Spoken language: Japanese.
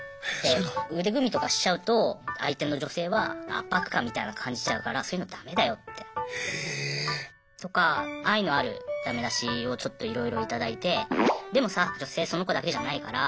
腕組みとかしちゃうと相手の女性は圧迫感みたいの感じちゃうからそういうのダメだよって。とか愛のあるダメ出しをちょっといろいろ頂いてでもさ女性その子だけじゃないから次だよ